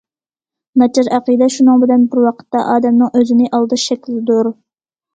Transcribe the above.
ناچار ئەقىدە شۇنىڭ بىلەن بىر ۋاقىتتا ئادەمنىڭ ئۆزىنى ئالداش شەكلىدۇر.